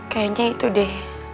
kayaknya itu deh